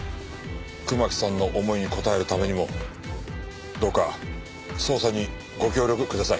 熊木さんの思いに応えるためにもどうか捜査にご協力ください。